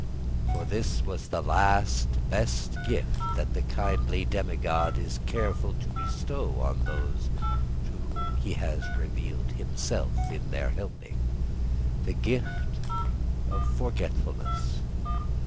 For this is the last best gift that the kindly demi god is careful to bestow on those to whom he has revealed himself in their helping: the gift of forgetfulness.